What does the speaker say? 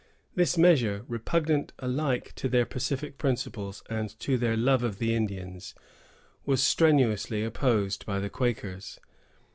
This measure, repugnant alike to their pacific principles and to their love of the Indians, was strenuously opposed by the Quakers.